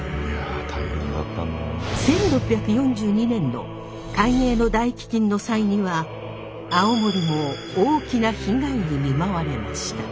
１６４２年の「寛永の大飢饉」の際には青森も大きな被害に見舞われました。